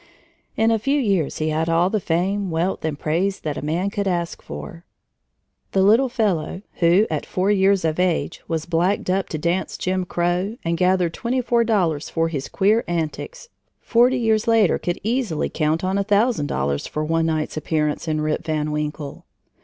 In a few years he had all the fame, wealth, and praise that a man could ask for. The little fellow who, at four years of age, was blacked up to dance "Jim Crow" and gathered twenty four dollars for his queer antics, forty years later could easily count on a thousand dollars for one night's appearance in Rip Van Winkle.